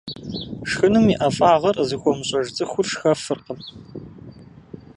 Шхыным и ӀэфӀагъыр къызыхуэмыщӀэж цӀыхур шхэфыркъым.